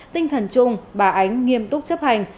tinh thần chung bà ánh nghiêm túc chấp hành